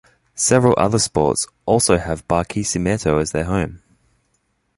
Several other sports also have Barquisimeto as their home.